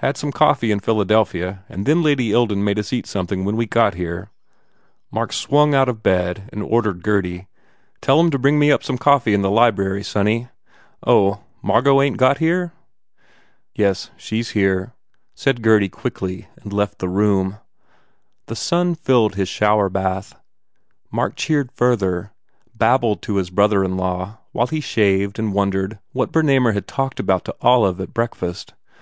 Got some coffee in Philadelphia and then Lady Ilden made us eat somethin when we got here." Mark swung out of bed and ordered Gurdy, "Tell em to bring me up some coffee in the library, sonny. Oh, Margot ain t got here?" "Yes, she s here," said Gurdy and quickly left the room. The sun filled his showerbath. Mark cheered further, babbled to his brother in law while he shaved and wondered what Brrnamer had talked about to Olive at breakfast.